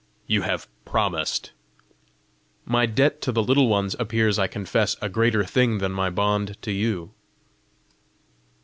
"You have promised!" "My debt to the Little Ones appears, I confess, a greater thing than my bond to you."